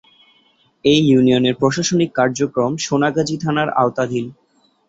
এ ইউনিয়নের প্রশাসনিক কার্যক্রম সোনাগাজী থানার আওতাধীন।